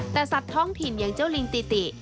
แต่สัตว์ท้องถิ่นอย่างเจ้าลิงติติ